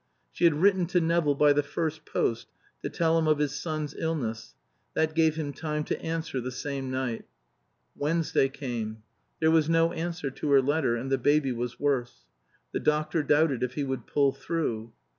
She had written to Nevill by the first post to tell him of his son's illness. That gave him time to answer the same night. Wednesday came. There was no answer to her letter; and the baby was worse. The doctor doubted if he would pull through. Mrs.